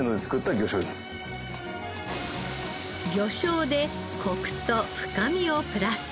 魚醤でコクと深みをプラス。